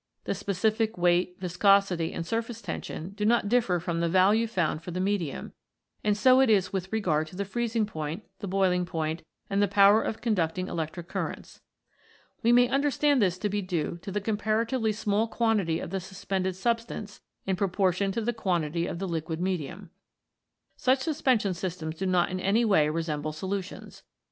The specific weight, viscosity, and surface tension do not differ from the value found for the medium, and so it is with regard to the freezing point, the boiling point, and the power of conducting electric currents. We may understand this to be due to the comparatively small quantity of the suspended substance in proportion to the quantity of the liquid medium. Such suspension systems do not in any way re semble solutions.